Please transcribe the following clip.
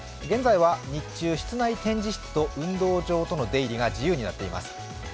現在は日中、室内展示室と運動場との出入りが自由になっています。